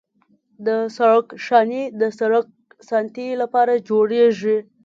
د سړک شانې د سړک د ساتنې لپاره جوړیږي